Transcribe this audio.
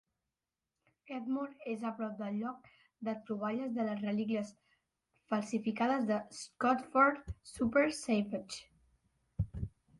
Edmore és a prop del lloc de troballes de les relíquies falsificades de Scotford-Soper-Savage.